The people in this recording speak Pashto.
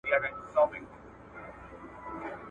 په لومړۍ ورځ چي په کار پسي روان سو !.